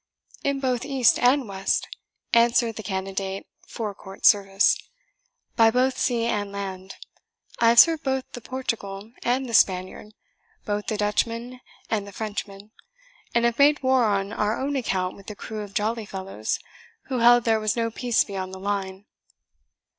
"In both East and West," answered the candidate for court service, "by both sea and land. I have served both the Portugal and the Spaniard, both the Dutchman and the Frenchman, and have made war on our own account with a crew of jolly fellows, who held there was no peace beyond the Line."